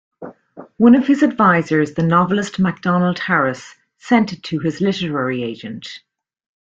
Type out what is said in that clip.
One of his advisors, the novelist MacDonald Harris, sent it to his literary agent.